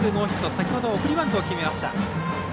先ほど送りバントを決めた。